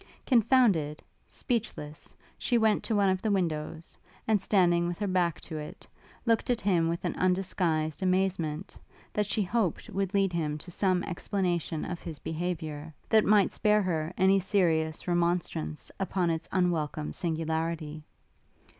Confounded, speechless, she went to one of the windows, and standing with her back to it, looked at him with an undisguised amazement, that she hoped would lead him to some explanation of his behaviour, that might spare her any serious remonstrance upon its unwelcome singularity.